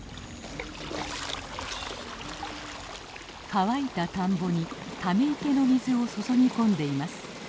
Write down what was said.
乾いた田んぼにため池の水を注ぎ込んでいます。